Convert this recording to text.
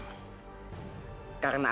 aku akan menang